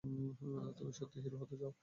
তুমি সত্যিই হিরো হতে চাও?